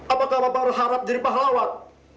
apakah bapak berharap jadi pahlawan